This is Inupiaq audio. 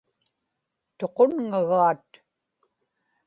tuqunŋagaat